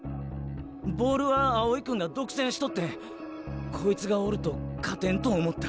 ボールは青井君が独占しとってこいつがおると勝てんと思った。